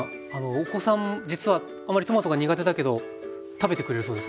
お子さん実はあんまりトマトが苦手だけど食べてくれるそうですね